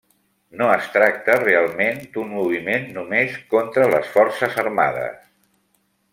No es tractà realment d'un moviment només contra les forces armades.